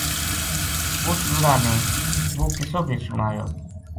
اُس لُڑا نے وہ قصو بھی سنایو